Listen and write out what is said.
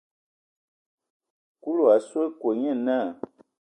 Kulu a su ekɔɛ, nye naa.